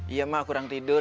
iya mak kurang tidur